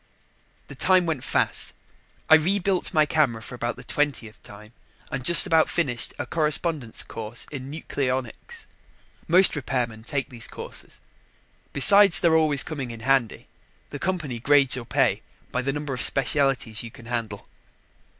The time went fast. I rebuilt my camera for about the twentieth time and just about finished a correspondence course in nucleonics. Most repairmen take these courses. Besides their always coming in handy, the company grades your pay by the number of specialties you can handle.